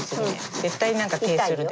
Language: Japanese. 絶対何か手ぇするで。